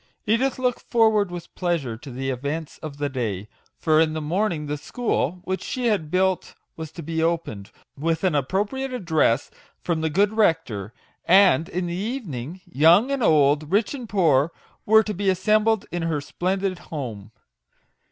Edith looked forward with pleasure to the events of the day ; for in the morning the school which she had built was to be opened, with an appropriate address from the good rector; and in the evening, young and old, rich and poor, were to be assembled in her splendid home.